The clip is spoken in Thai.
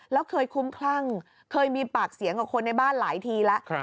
แล้วเคยคุ้มคลั่งเคยมีปากเสียงกับคนในบ้านหลายทีแล้ว